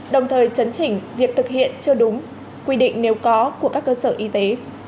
đồng thời chấn chỉnh việc thực hiện chưa đúng quy định nếu có của các cơ sở y tế